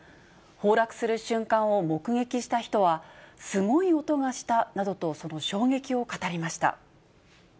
崩落する瞬間を目撃した人は、すごい音がしたなどと、その衝撃を語りました。